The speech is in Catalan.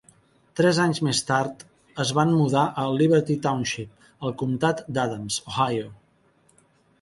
Tres anys més tard, es van mudar a Liberty Township, al Comtat d'Adams, Ohio.